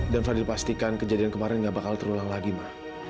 dan fadil pastikan kejadian kemarin gak bakal terulang lagi ma